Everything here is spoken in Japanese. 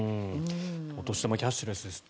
お年玉キャッシュレスですって。